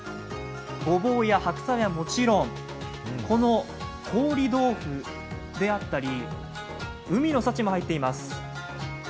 ごぼうや白菜はもちろんこの豆腐であったり海の幸も入っています。